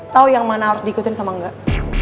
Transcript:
tau yang mana harus diikutin sama enggak